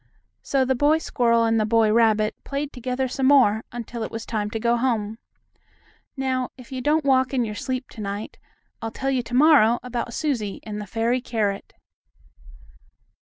So the boy squirrel and the boy rabbit played together some more, until it was time to go home. Now, if you don't walk in your sleep to night, I'll tell you to morrow about Susie and the fairy carrot.